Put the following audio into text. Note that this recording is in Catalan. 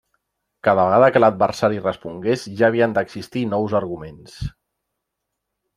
Cada vegada que l'adversari respongués ja havien d'existir nous arguments.